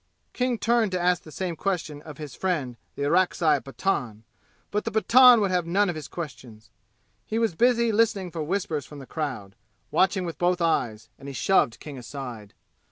King turned to ask the same question of his friend the Orakzai Pathan; but the Pathan would have none of his questions, he was busy listening for whispers from the crowd, watching with both eyes, and he shoved King aside.